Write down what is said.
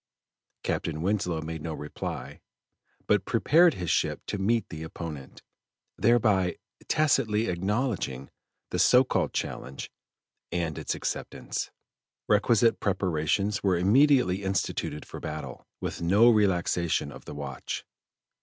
Captain Winslow made no reply, but prepared his ship to meet the opponent, thereby tacitly acknowledging the so called challenge and its acceptance. Requisite preparations were immediately instituted for battle, with no relaxation of the watch.